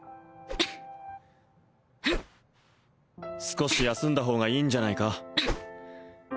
少し休んだ方がいいんじゃないか